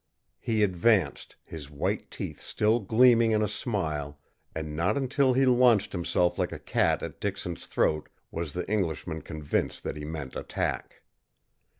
He advanced, his white teeth still gleaming in a smile, and not until he launched himself like a cat at Dixon's throat was the Englishman convinced that he meant attack.